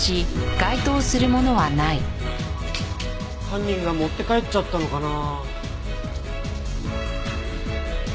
犯人が持って帰っちゃったのかな？